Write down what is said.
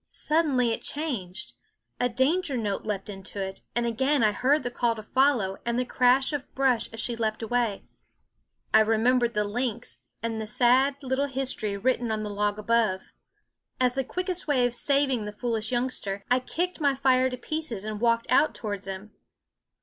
Suddenly it changed; a danger note leaped into it; and again I heard the call to follow and the crash of brush as she leaped away. I remembered the lynx and the sad little history written on the log above. As the quickest way of saving the foolish youngster, I kicked my fire to pieces and walked out towards him.